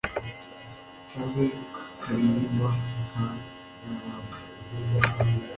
nsabe karirima ka ngarambe